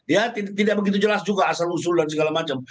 ya tidak begitu jelas juga asal usul dan segala macam